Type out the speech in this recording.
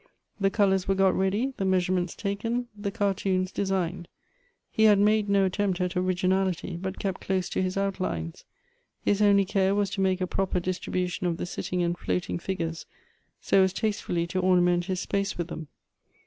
The colors were got ready, the measurements taken ; the c:\t tooiis designed. He had made no attempt at originality, but kept close to liis outlines ; his only care was to make ii ]iroper distribution of the sitting and floating figures, s:) ;is tastefully to ornament his space with them.